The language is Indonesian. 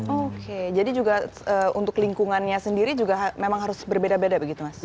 oke jadi juga untuk lingkungannya sendiri juga memang harus berbeda beda begitu mas